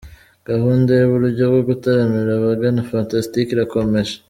Gahunda y’uburyo bwo gutaramira abagana Fantastic irakomeje.